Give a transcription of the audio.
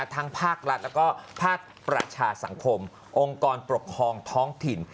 ทั้งภาครัฐและภาคประชาสังคมองค์กรประคองท้องถิ่น